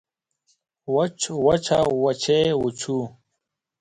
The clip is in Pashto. وچ وچه وچې وچو